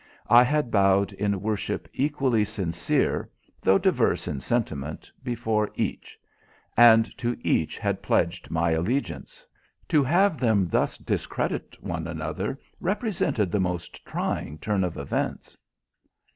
I had bowed in worship, equally sincere, though diverse in sentiment, before each; and to each had pledged my allegiance. To have them thus discredit one another represented the most trying turn of events.